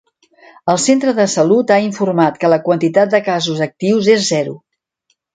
El centre de salut ha informat que la quantitat de casos actius és zero.